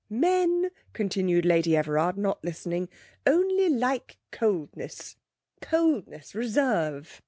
'Men,' continued Lady Everard, not listening, 'only like coldness; coldness, reserve.